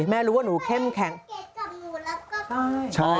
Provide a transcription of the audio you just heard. แม่รู้ว่าหนูเข้มแข็งพ่อไอ้ไซเก็ตกับหนูแล้วก็